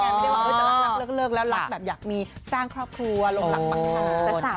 ไม่ได้ว่าจะรักเลิกแล้วรักแบบอยากมีสร้างครอบครัวลงหลักปรักฐาน